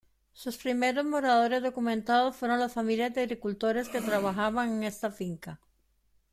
Sus primeros moradores documentados fueron las familias de agricultores que trabajaban en esta finca.